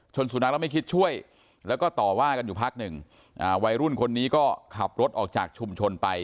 สุนัขแล้วไม่คิดช่วยแล้วก็ต่อว่ากันอยู่พักหนึ่งวัยรุ่นคนนี้ก็ขับรถออกจากชุมชนไป